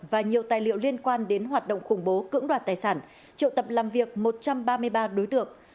và nhiều tài liệu liên quan đến hoạt động khủng bố cưỡng đoạt tài sản triệu tập làm việc một trăm ba mươi ba đối tượng